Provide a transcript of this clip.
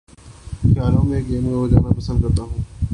خیالوں میں گم ہو جانا پسند کرتا ہوں